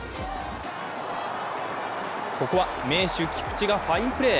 ここは、名手・菊池がファインプレー。